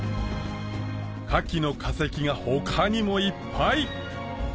カキの化石が他にもいっぱい！